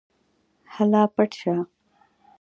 هله پټ شه.